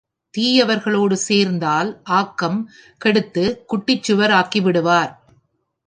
தீயவர்களோடு சேர்ந்தால் ஆக்கம் கெடுத்துச் குட்டிச்சுவர் ஆக்கிவிடுவர்.